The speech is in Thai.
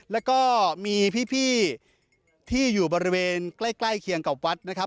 แล้วก็มีพี่ที่อยู่บริเวณใกล้เคียงกับวัดนะครับ